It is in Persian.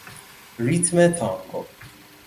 ریتم تانگو